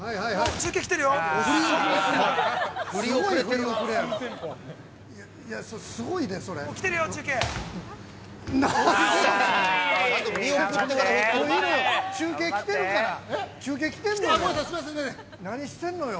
◆中継、来てんのよ。